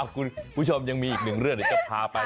คุณผู้ชมยังมีอีกหนึ่งเรื่องเดี๋ยวจะพาไป